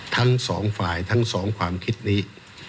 ทั้งสองฝ่ายทั้งสองความคิดนี้